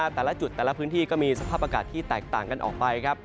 แต่ละจุดแต่ละพื้นที่ก็มีสภาพอากาศที่แตกต่างกันออกไป